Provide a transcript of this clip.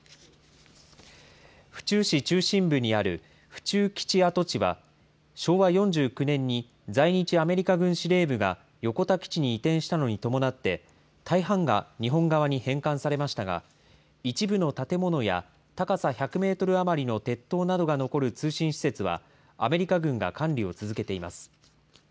府中市中心部にある府中基地跡地は、昭和４９年に在日アメリカ軍司令部が横田基地に移転したのに伴って大半が日本側に返還されましたが、一部の建物や高さ１００メートル余りの鉄塔などが残る通信施設は、アメリカ軍が管理を続けています。